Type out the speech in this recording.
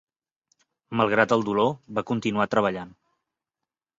Malgrat el dolor, va continuar treballant.